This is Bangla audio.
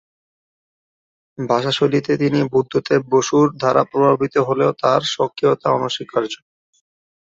ভাষাশৈলীতে তিনি বুদ্ধদেব বসু-র দ্বারা প্রভাবিত হলেও তাঁর স্বকীয়তা অনস্বীকার্য।